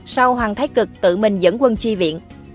sau hoàng thái cực tự mình dẫn quân chi viện